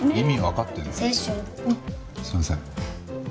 すいません。